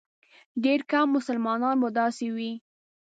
ډېر کم مسلمانان به داسې وي.